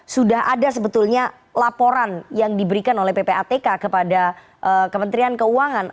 sudah ada sebetulnya laporan yang diberikan oleh ppatk kepada kementerian keuangan